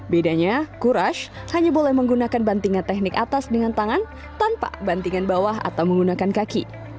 bedanya courage hanya boleh menggunakan bantingan teknik atas dengan tangan tanpa bantingan bawah atau menggunakan kaki